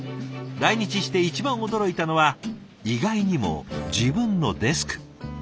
来日して一番驚いたのは意外にも自分のデスク。